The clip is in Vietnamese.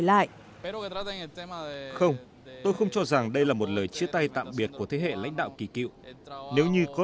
lại không tôi không cho rằng đây là một lời chia tay tạm biệt của thế hệ lãnh đạo kỳ cựu nếu như có